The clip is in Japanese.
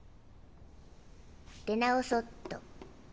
出直そうっと。